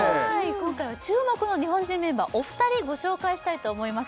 今回は注目の日本人メンバーお二人ご紹介したいと思います